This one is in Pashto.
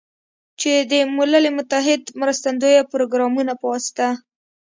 چې د ملل متحد مرستندویه پروګرامونو په واسطه